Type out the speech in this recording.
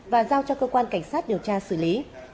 và giao cho cơ quan cảnh sát điều tra xử lý